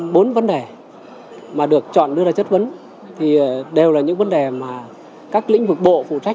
bốn vấn đề mà được chọn đưa ra chất vấn thì đều là những vấn đề mà các lĩnh vực bộ phụ trách